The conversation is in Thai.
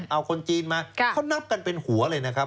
เอาคนจีนมาเขานับกันเป็นหัวเลยนะครับ